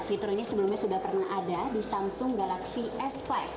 fitur ini sebelumnya sudah pernah ada di samsung galaxy s lima